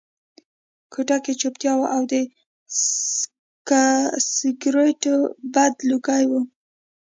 کوټه کې چوپتیا وه او د سګرټو بد لوګي وو